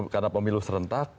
karena pemilu serentak